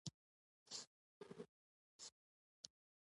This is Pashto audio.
مچان د چای په پیاله کښېني